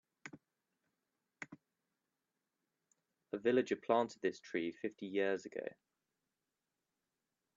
A villager planted this tree fifty years ago.